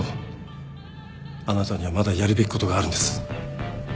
あなたにはまだやるべきことがあるんです。